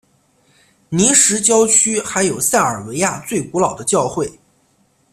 尼什郊区还有塞尔维亚最古老的教会。